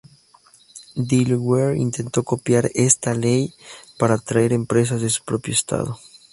Delaware intentó copiar esta ley para atraer empresas a su propio estado.